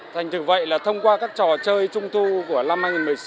thành thực vậy là thông qua các trò chơi trung thu của năm hai nghìn một mươi sáu